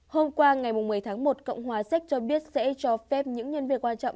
hôm qua ngày một mươi tháng một cộng hòa séc cho biết sẽ cho phép những nhân viên quan trọng